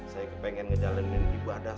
saya pengen ngejalanin ibadah